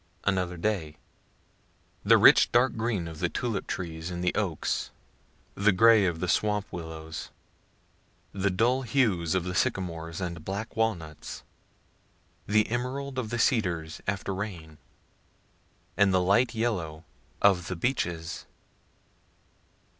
Another day The rich dark green of the tulip trees and the oaks, the gray of the swamp willows, the dull hues of the sycamores and black walnuts, the emerald of the cedars (after rain,) and the light yellow of the beeches.